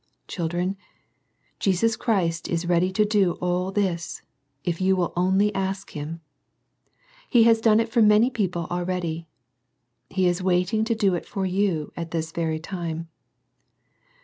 Children, Jesus Christ is ready to do all this, if you will only ask Him. He has done it for many people already. He is waiting to do it for you at this very time.